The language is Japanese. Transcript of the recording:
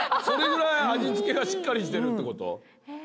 それぐらい味付けがしっかりしてるってこと？